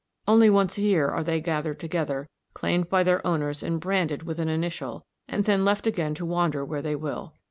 Only once a year are they gathered together, claimed by their owners and branded with an initial, and then left again to wander where they will.